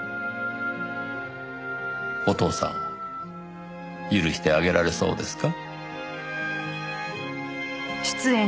お父さんを許してあげられそうですか？